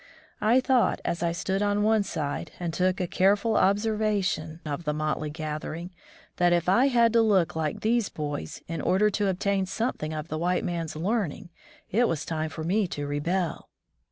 I thought, as I stood on one side and took a careful observation of the 21 From the Deep Woods to Civilization motley gathering, that if I had to look like these boys in order to obtain something of the white man's learning, it was time for me to rebel.